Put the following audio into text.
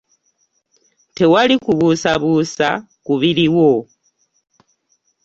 Tewali kubuusabuusa ku biriwo.